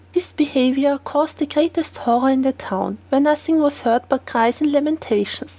This behaviour caused the greatest horror in the town, where nothing was heard but cries and lamentations.